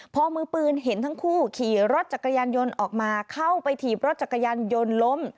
พอมือปืนเห็นทั้งคู่ขี่รถจักรยานยนต์ออกมาเข้าไปถีบรถจักรยานยนต์ล้ม